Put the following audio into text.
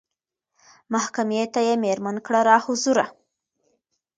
محکمې ته یې مېرمن کړه را حضوره